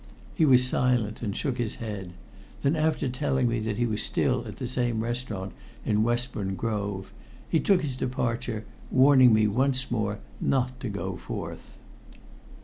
He was silent and shook his head; then, after telling me that he was still at the same restaurant in Westbourne Grove, he took his departure, warning me once more not to go forth.